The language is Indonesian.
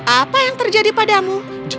apa yang terjadi padamu